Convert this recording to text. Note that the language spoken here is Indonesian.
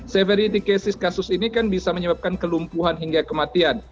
severity cases kasus ini kan bisa menyebabkan kelumpuhan hingga kematian